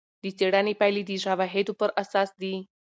د څېړنې پایلې د شواهدو پر اساس دي.